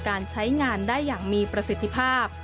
การใช้งานได้อย่างมีประสิทธิภาพ